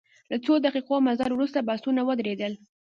له څو دقیقو مزل وروسته بسونه ودرېدل.